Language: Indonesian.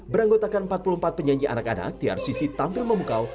beranggotakan empat puluh empat penyanyi anak anak trcc tampil memukau